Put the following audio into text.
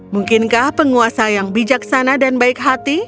mungkinkah penguasa yang bijaksana dan baik hati